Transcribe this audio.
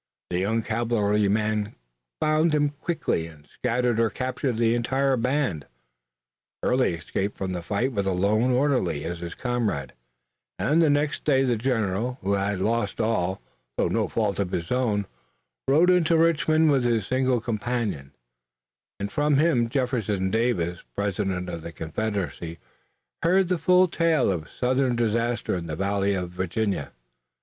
The young cavalryman quickly found him and scattered or captured the entire band. Early escaped from the fight with a lone orderly as his comrade, and the next day the general who had lost all through no fault of his own, rode into Richmond with his single companion, and from him Jefferson Davis, President of the Confederacy, heard the full tale of Southern disaster in the Valley of Virginia.